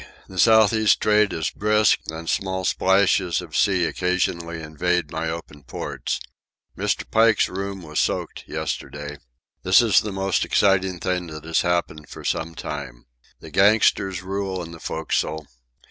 The south east trade is brisk and small splashes of sea occasionally invade my open ports. Mr. Pike's room was soaked yesterday. This is the most exciting thing that has happened for some time. The gangsters rule in the forecastle.